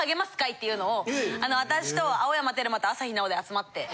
っていうのを私と青山テルマと朝日奈央で集まって。